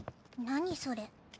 何それ。